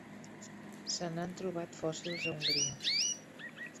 Se n'han trobat fòssils a Hongria.